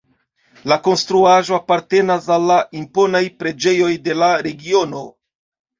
La konstruaĵo apartenas al la imponaj preĝejoj de la regiono.